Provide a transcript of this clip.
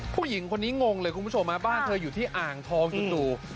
ผู้หญิงคนนี้งงเลยคุณผู้ชมบ้านเธออยู่ที่อ่างทองจู่